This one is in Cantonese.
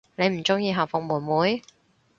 你唔鍾意校服妹妹？